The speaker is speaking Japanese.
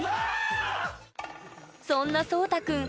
そんな颯太くん